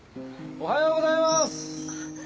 おはようございます。